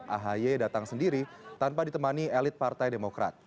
ahy datang sendiri tanpa ditemani elit partai demokrat